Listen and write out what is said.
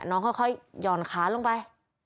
น่งค่อยย่อนค้าลงไป